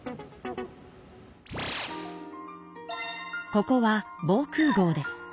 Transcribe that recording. ここは防空ごうです。